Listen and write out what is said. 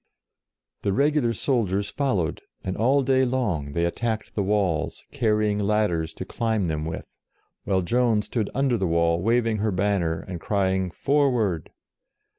The regular soldiers followed, and all day long they attacked the walls, carrying ladders to climb them with, while Joan stood under the wall, waving her banner, and crying " Forward